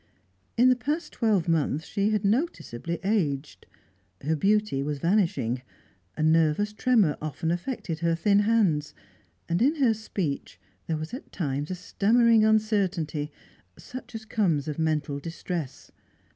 In the past twelvemonth she had noticeably aged; her beauty was vanishing; a nervous tremor often affected her thin hands, and in her speech there was at times a stammering uncertainty, such as comes of mental distress.